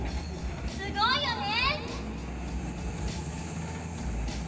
すごいよね！